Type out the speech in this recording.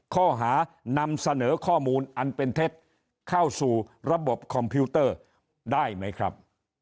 ข้อหานำเสนอข้อมูลอันเป็นเท็จเข้าสู่ระบบคอมพิวเตอร์ได้ไหมครับ